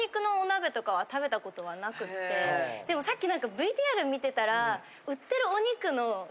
でもさっきなんかＶＴＲ見てたら。